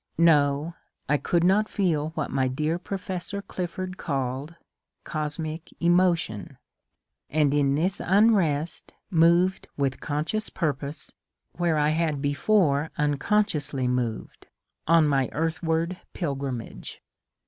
No, — I could not feel what my dear Professor Clifford called ^^ cosmic emotion ;" and in this unrest moved with conscious purpose, where I had before unconsciously moved, on my ^^ earthward pilgrimage."